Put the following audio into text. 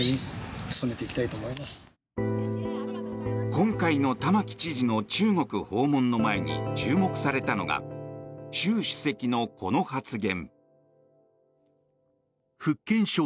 今回の玉城知事の中国訪問の前に注目されたのが習主席の、この発言。